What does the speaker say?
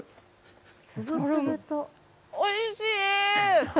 おいしい。